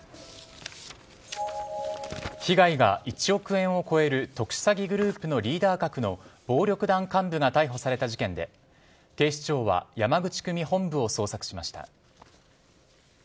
被害が１億円を超える特殊詐欺グループのリーダー格の暴力団幹部が逮捕された事件で警視庁は山口組本部を捜索しました。